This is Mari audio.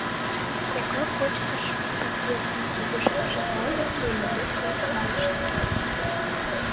Кока кочкыш пакетым кидышкыже нале, нуно лектын кайышт.